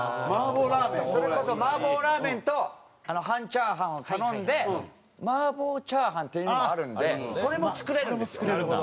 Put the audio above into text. それこそマーボラーメンと半チャーハンを頼んでマーボチャーハンっていうのもあるんでそれも作れるんですよ。